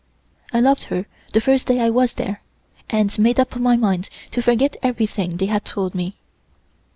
I loved her the first day I was there, and made up my mind to forget everything they had told me.